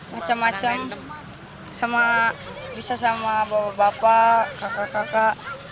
macem macem bisa sama bapak bapak kakak kakak